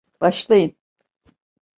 Başlayın.